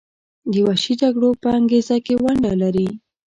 د وحشي جګړو په انګیزه کې ونډه لري.